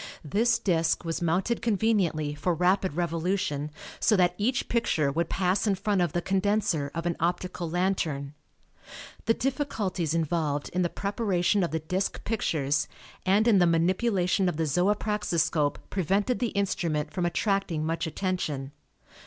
This disk was mounted conveniently for rapid revolution so that each picture would pass in front of the condenser of an optical lantern. The difficulties involved in the preparation of the disk pictures and in the manipulation of the zoopraxiscope prevented the instrument from attracting much attention.